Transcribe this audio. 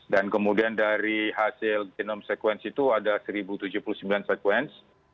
dan kemudian dari hasil genome sequence itu ada seribu tujuh puluh sembilan sequence